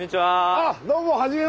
あっどうもはじめまして。